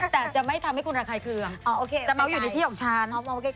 แต่จะไม่ทำให้คุณรักใครเคลื่องจะมาอยู่ในที่ของฉัน